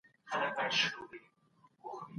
د نفوس ډېرښت یوه بله مسله ده چې باید وڅېړل سي.